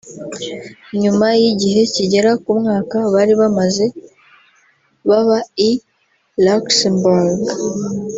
nyuma y’igihe kigera ku mwaka bari bamaze baba i Luxemburg